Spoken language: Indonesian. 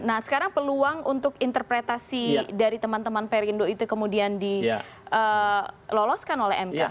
nah sekarang peluang untuk interpretasi dari teman teman perindo itu kemudian diloloskan oleh mk